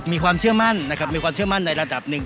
มีความเชื่อมั่นนะครับมีความเชื่อมั่นในระดับหนึ่ง